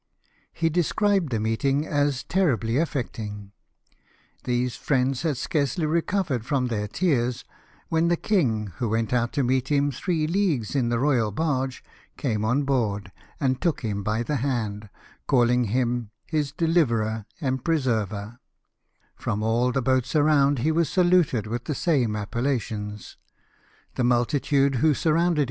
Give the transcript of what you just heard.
He described the meeting as " terribly affect ing." These friends had scarcely recovered from their tears, when the king, who went out to meet him three leagues in the royal barge, came on board, and took him by the hand, calling him his deliverer and pre server ; from all the boats around he was saluted with the same appellations ; the multitude Avho surrounded L 162 LIFE OF NELSON.